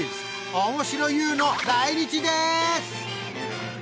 おもしろＹＯＵの来日です！